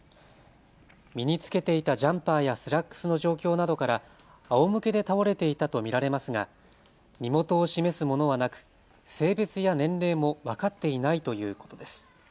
身に着けていたジャンパーやスラックスの状況などからあおむけで倒れていたと見られますが身元を示すものはなく性別や年齢も分かっていないということです。